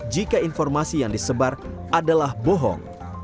jika informasi yang disebar adalah bohong